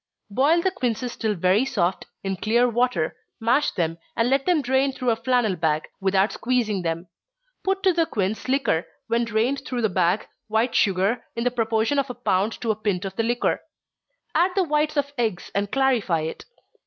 Boil the quinces till very soft, in clear water, mash them, and let them drain through a flannel bag, without squeezing them. Put to the quince liquor, when drained through the bag, white sugar, in the proportion of a pound to a pint of the liquor. Add the whites of eggs, and clarify it.